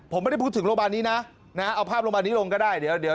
ผมไม่ได้พูดถึงโรงพยาบาลนี้นะเอาภาพโรงพยาบาลนี้ลงก็ได้เดี๋ยว